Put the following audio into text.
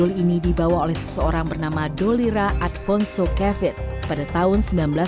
doli ini dibawa oleh seseorang bernama dolira adfonso kevitt pada tahun seribu sembilan ratus enam puluh tujuh